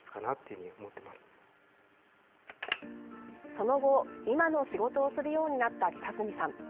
その後、今の仕事をするようになった北住さん。